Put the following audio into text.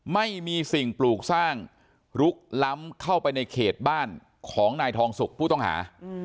ไม่มีสิ่งปลูกสร้างลุกล้ำเข้าไปในเขตบ้านของนายทองสุกผู้ต้องหา